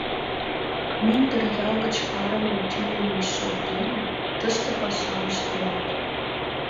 Мӱндыр ял гыч парымым тӱлымӧ шот дене тыште пашам ыштеныт.